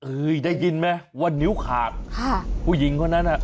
อื้อได้ยินไหมวันนิ้วขาดค่ะผู้หญิงเขานั้นอ่ะ